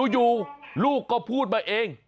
อยู่ลูกก็พูดมาเอง